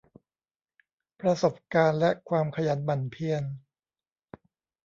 ประสบการณ์และความขยันหมั่นเพียร